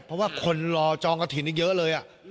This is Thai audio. เพราะว่าคนรอจองกระถิ่นเยอะเลย